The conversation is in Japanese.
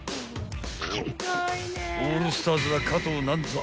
［オールスターズは加藤なんぞ